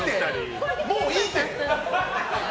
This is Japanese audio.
もういいて！